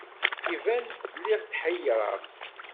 Iban, lliɣ tḥeyyreɣ.